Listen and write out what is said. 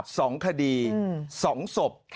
สองคดีสองศพ